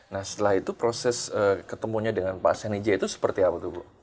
nah setelah itu proses ketemunya dengan pak seni jaya itu seperti apa tuh bu